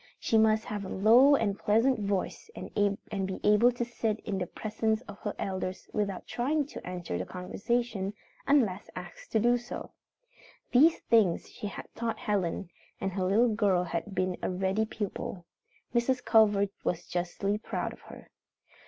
She must have a low and pleasant voice and be able to sit in the presence of her elders without trying to enter the conversation unless asked to do so. These things she had taught Helen, and her little girl had been a ready pupil. Mrs. Culver was justly proud of her.